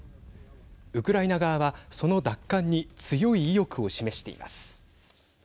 ウクライナ側は、その奪還に強い意欲を示しています。